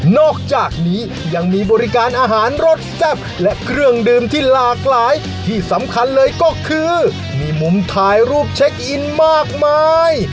อกจากนี้ยังมีบริการอาหารรสแซ่บและเครื่องดื่มที่หลากหลายที่สำคัญเลยก็คือมีมุมถ่ายรูปเช็คอินมากมาย